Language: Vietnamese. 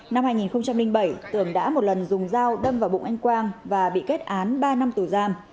năm hai nghìn bảy tường đã một lần dùng dao đâm vào bụng anh quang và bị kết án ba năm tù giam